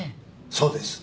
そうです。